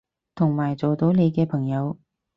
同埋做到你嘅朋友